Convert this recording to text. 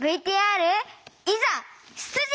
ＶＴＲいざ出陣！